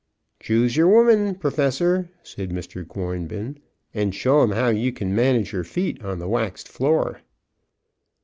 "Choose your woman, Professor," said Mr. Cornbin, "an' show 'em how you kin manage yer feet on a waxed floor."